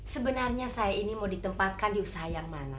sebenarnya saya ini mau ditempatkan di usaha yang mana